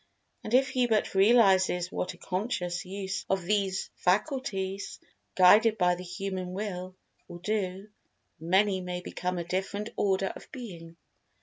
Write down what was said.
And if he but realizes what a conscious use of these faculties, guided by the Human Will, will do, Man may become a different order of being.